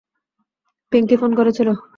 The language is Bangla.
পিঙ্কি ফোন করেছিল।